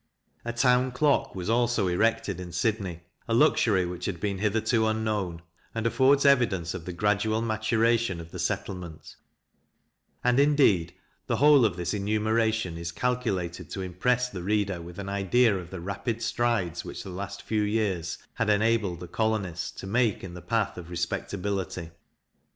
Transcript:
A town clock was also erected in Sydney, a luxury which had been hitherto unknown, and affords evidence of the gradual maturation of the settlement; and, indeed, the whole of this enumeration is calculated to impress the reader with an idea of the rapid strides which the few last years had enabled the colonists to make in the path of respectability.